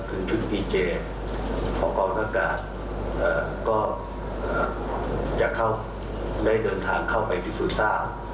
คือชุดพีเจของกองทับอากาศก็จะเข้าได้เดินทางเข้าไปที่ศูนย์ทราบ